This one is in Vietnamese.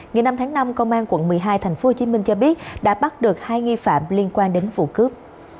ngày năm tháng năm công an quận một mươi hai tp hcm cho biết đã bắt được hai nghi phạm liên quan đến vụ cướp